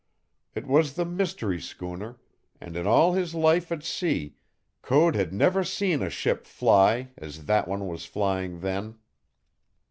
It was the mystery schooner, and in all his life at sea Code had never seen a ship fly as that one was flying then.